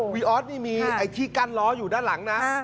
วีออทนี้มีที่กั้นล้ออยู่ด้านหลังนะ